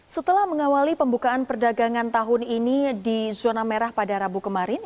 setelah mengawali pembukaan perdagangan tahun ini di zona merah pada rabu kemarin